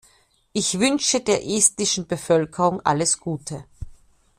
Ich wünsche der estnischen Bevölkerung alles Gute.